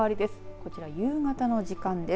こちら夕方の時間です。